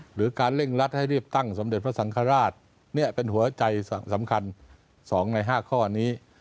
หรือการเร่งรัดให้รีบตั้งสมเด็จพระสังฆราชเป็นหัวใจสำคัญ๒ใน๕ข้อนี้